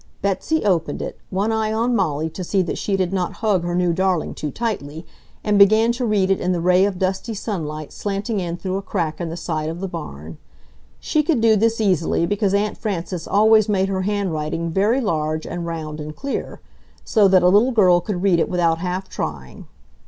Betsy opened it, one eye on Molly to see that she did not hug her new darling too tightly, and began to read it in the ray of dusty sunlight slanting in through a crack in the side of the barn. She could do this easily, because Aunt Frances always made her handwriting very large and round and clear, so that a little girl could read it without half trying.